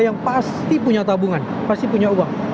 yang pasti punya tabungan pasti punya uang